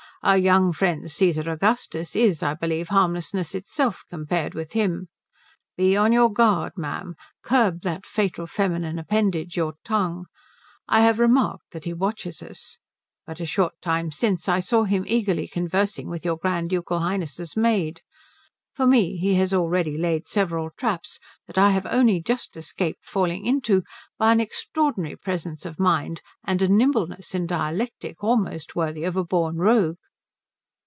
Our young friend Cæsar Augustus is I believe harmlessness itself compared with him. Be on your guard, ma'am. Curb that fatal feminine appendage, your tongue. I have remarked that he watches us. But a short time since I saw him eagerly conversing with your Grand Ducal Highness's maid. For me he has already laid several traps that I have only just escaped falling into by an extraordinary presence of mind and a nimbleness in dialectic almost worthy of a born rogue."